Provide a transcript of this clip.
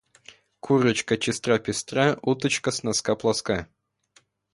Курочка честра-пестра, уточка с носка плоска.